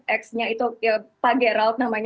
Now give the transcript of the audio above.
ex nya itu pak gerald